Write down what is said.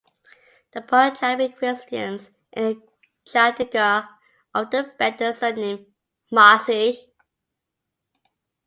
The Punjabi Christians in Chandigarh often bear the surname "Masih".